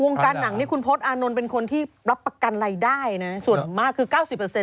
วงการหนังนี้คุณโพสต์อานนท์เป็นคนที่รับประกันรายได้นะส่วนมากคือ๙๐เขาได้รัง